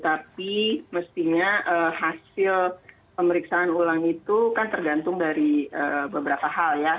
tapi mestinya hasil pemeriksaan ulang itu kan tergantung dari beberapa hal ya